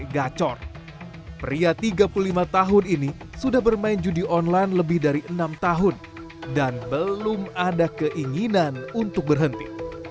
gacor pria tiga puluh lima tahun ini sudah bermain judi online lebih dari enam tahun dan belum ada keinginan untuk berhenti